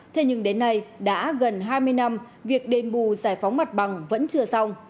thế nhưng đến nay đã gần hai mươi năm việc đền bù giải phóng mặt bằng vẫn chưa xong